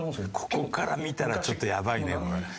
ここから見たらちょっとやばいねこれ。